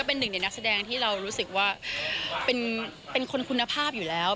เป็นหนึ่งในนักแสดงที่เรารู้สึกว่าเป็นคนคุณภาพอยู่แล้ว